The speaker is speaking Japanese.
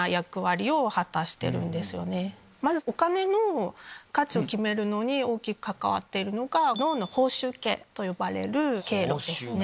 お金の価値を決めるのに大きく関わっているのが脳の報酬系と呼ばれる経路です。